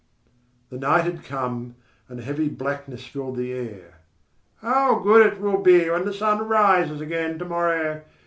The night had come, and a heavy blackness filled the air. "How good it will be when the sun rises again to morrow...